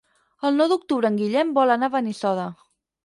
El nou d'octubre en Guillem vol anar a Benissoda.